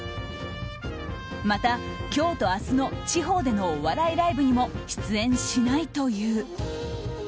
また、今日と明日の地方でのお笑いライブにも出演しないという。